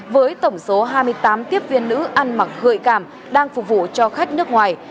với tổng số hai mươi tám tiếp viên nữ ăn mặc gợi cảm đang phục vụ cho khách nước ngoài